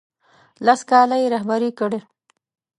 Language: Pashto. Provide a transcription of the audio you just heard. لس کاله یې رهبري کړ.